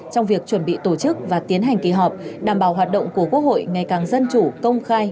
trong việc chuẩn bị tổ chức và tiến hành kỳ họp đảm bảo hoạt động của quốc hội ngày càng dân chủ công khai